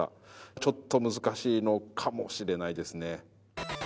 ちょっと難しいのかもしれないですね。